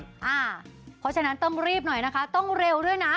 เพราะฉะนั้นต้องรีบหน่อยนะคะต้องเร็วด้วยนะ